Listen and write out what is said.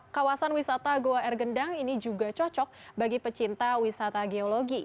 kawasan wisata goa air gendang ini juga cocok bagi pecinta wisata geologi